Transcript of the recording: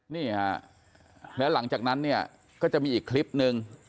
นี่ฮะแล้วหลังจากนั้นเนี่ยก็จะมีอีกคลิปนึง